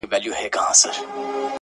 زه ومه ويده اكثر,